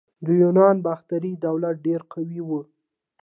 د یونانو باختري دولت ډیر قوي و